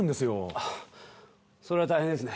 ああそれは大変ですね。